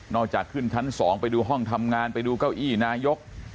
จากขึ้นชั้น๒ไปดูห้องทำงานไปดูเก้าอี้นายก